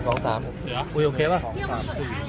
เอาบนบันไดเลยอ่ะพี่